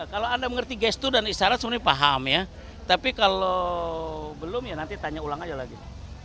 kalau anda mengerti gestur dan isyarat sebenarnya paham ya tapi kalau belum ya nanti tanya ulang aja lagi